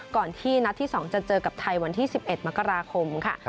ก่อนที่นัดที่๒จะเจอกับไทยวันที่๑๑มกราคมค่ะ